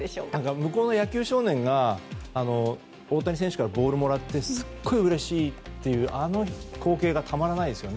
向こうの野球少年が大谷選手からボールをもらってすごいうれしいっていうあの光景がたまらないですよね。